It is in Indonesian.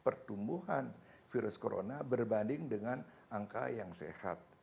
sebenarnya kita harus mengingatkan bahwa kita sudah menunggu virus corona berbanding dengan angka yang sehat